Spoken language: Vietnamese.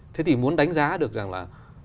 thế thì muốn đánh giá được rằng là